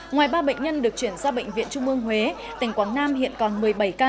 ngoài ba bệnh nhân được chuyển ra bệnh viện trung ương huế tỉnh quảng nam hiện còn một mươi bảy ca